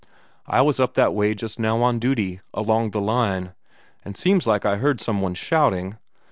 "I was up that way just now on duty, along the line, and seems like I heard some one shouting.